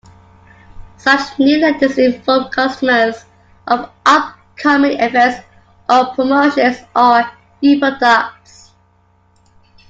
Such newsletters inform customers of upcoming events or promotions, or new products.